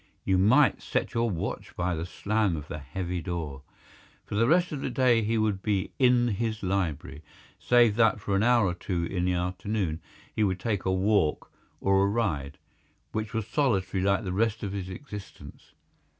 You might set your watch by the slam of the heavy door. For the rest of the day he would be in his library—save that for an hour or two in the afternoon he would take a walk or a ride, which was solitary like the rest of his existence.